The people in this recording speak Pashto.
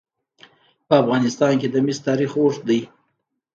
په افغانستان کې د مس تاریخ اوږد دی.